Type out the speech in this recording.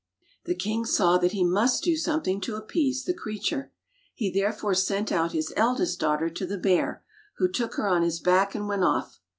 The king saw that he must do something to appease the creature. He therefore sent out his eldest daughter to the bear, who took her on his back and went off.